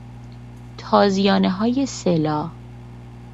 تازیانههای سه لا